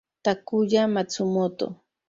Takuya Matsumoto